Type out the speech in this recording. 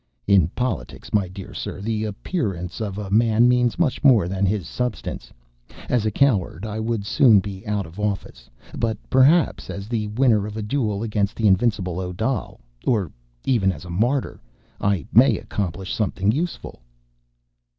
"In politics, my dear sir, the appearance of a man means much more than his substance. As a coward, I would soon be out of office. But, perhaps, as the winner of a duel against the invincible Odal ... or even as a martyr ... I may accomplish something useful."